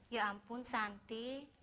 ya ampun santi